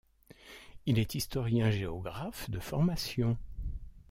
Il est historien-géographe de formation.